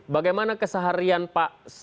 bagaimana keseharian pak